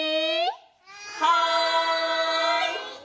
はい！